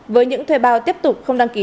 với những thuê bao tiếp tục không đăng ký